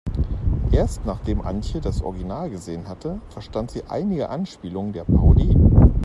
Erst nachdem Antje das Original gesehen hatte, verstand sie einige Anspielungen der Parodie.